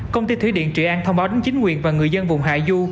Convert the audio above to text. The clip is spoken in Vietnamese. công ty thủy điện trị an thông báo đến chính quyền và người dân vùng hạ du